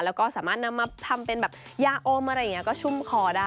แล้วก็สามารถนำมาทำเป็นแบบยาอมอะไรอย่างนี้ก็ชุ่มคอได้